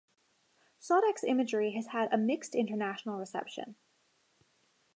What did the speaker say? Saudek's imagery has had a mixed international reception.